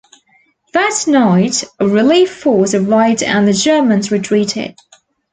That night, a relief force arrived and the Germans retreated.